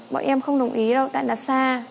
bọn em không đồng ý đâu tại là xa